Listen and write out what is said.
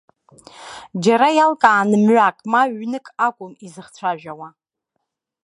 Џьара иалкааны мҩак, ма ҩнык акәым изыхцәажәауа.